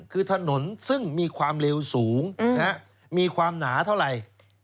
คือถนนซึ่งมีความเร็วสูงมีความหนาเท่าไหร่